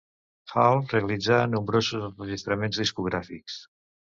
Hall realitzà nombrosos enregistraments discogràfics.